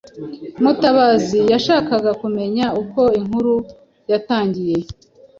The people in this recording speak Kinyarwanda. Mutabazi yashakaga kumenya uko inkuru yarangiye.